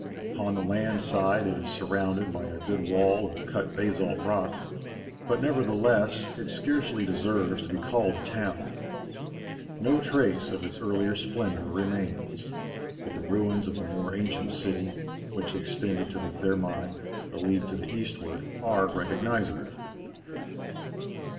Upon the land side it is surrounded by a good wall of cut basalt rock, but nevertheless, it scarcely deserves to be called a town. No trace of its earlier splendour remains, but the ruins of the more ancient city, which extended to the Thermæ, a league to the eastward, are recognizable.